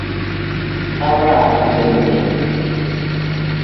Haraa akpentung.